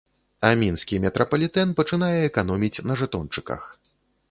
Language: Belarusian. А мінскі метрапалітэн пачынае эканоміць на жэтончыках.